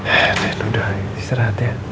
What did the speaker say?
eh rena udah diserah hati ya